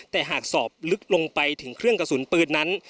แต่หากสอบลึกลงไปถึงเครื่องกระสุนปืนนั้น